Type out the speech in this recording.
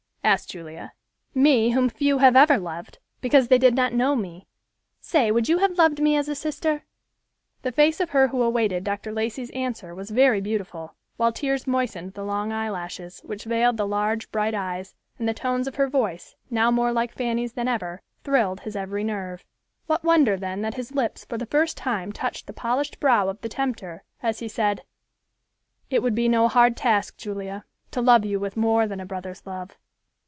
asked Julia, "me whom few have ever loved, because they did not know me; say, would you have loved me as a sister?" The face of her who awaited Dr. Lacey's answer was very beautiful, while tears moistened the long eyelashes, which veiled the large, bright eyes, and the tones of her voice, now more like Fanny's than ever, thrilled his every nerve. What wonder, then, that his lips for the first time touched the polished brow of the tempter, as he said, "It would be no hard task, Julia, to love you with more than a brother's love."